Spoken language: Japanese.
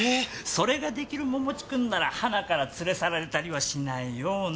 それができる桃地くんならはなから連れ去られたりはしないような。